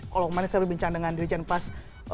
kalau kemarin saya berbincang dengan dirjen pas